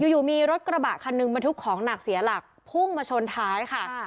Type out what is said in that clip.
อยู่มีรถกระบะคันหนึ่งบรรทุกของหนักเสียหลักพุ่งมาชนท้ายค่ะ